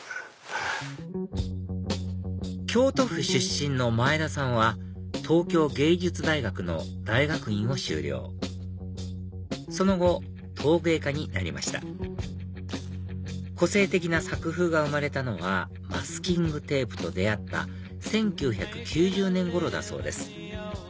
京都府出身の前田さんは東京藝術大学の大学院を修了その後陶芸家になりました個性的な作風が生まれたのはマスキングテープと出会った１９９０年ごろだそうです